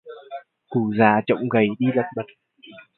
Cụ già chống gậy đi lật bật